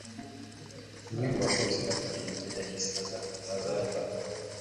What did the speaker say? umwe muba police bari baturinze yahise aza aramfata